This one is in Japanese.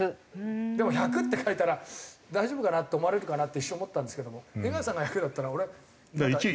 でも「１００」って書いたら大丈夫かなって思われるかなって一瞬思ったんですけども江川さんが１００だったら俺。